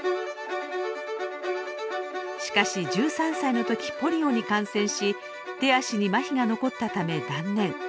しかし１３歳の時ポリオに感染し手足にマヒが残ったため断念。